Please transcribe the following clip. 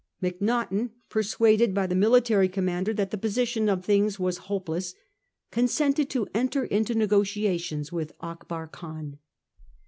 Mac naghten, persuaded by the military commander that the position of things was hopeless, consented to enter into negotiations with Akbar Khan.